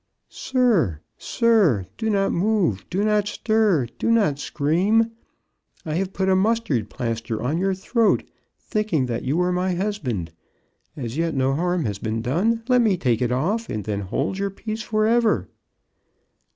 Sir, sir, do not move, do not stir, do not scream. I have put a mus tard plaster on your throat, thinking that you were my husband. As yet no harm has been done. Let me take it off, and then hold your peace forever."